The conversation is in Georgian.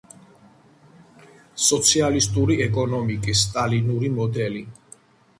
სოციალისტური ეკონომიკის სტალინური მოდელი.